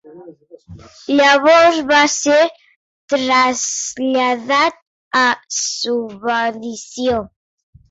Llavors va ser traslladat a subedició.